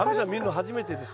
初めてです。